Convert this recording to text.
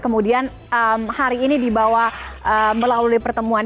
kemudian hari ini dibawa melalui pertemuan